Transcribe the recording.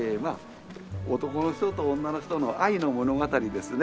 男の人と女の人の愛の物語ですね。